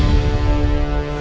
jangan lupa untuk berlangganan